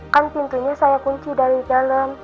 kan pintunya saya kunci dari dalam